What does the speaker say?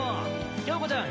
響子ちゃん